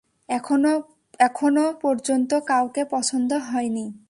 এখনো পর্যন্ত কাউকে পছন্দ হয়নি।